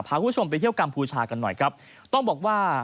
คุณผู้ชมไปเที่ยวกัมพูชากันหน่อยครับต้องบอกว่า